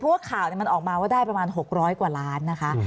เพราะว่าข่าวมันออกมาว่าได้ประมาณ๖๐๐กว่าล้านนะคะ